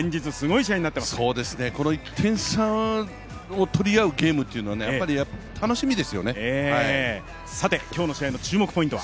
この１点差を取り合うゲームというのは今日の試合の注目ポイントは？